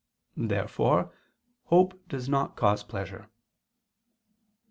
Therefore hope does not cause pleasure.